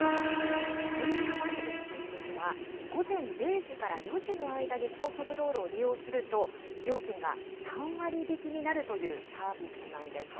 この深夜割引というのは、午前０時から４時の間に高速道路を利用すると、料金が３割引きになるというサービスなんです。